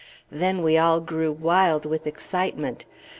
Then we all grew wild with excitement.